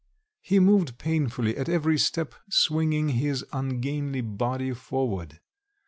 He moved painfully, at every step swinging his ungainly body forward.